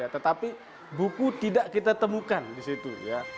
tetapi buku tidak kita temukan di situ ya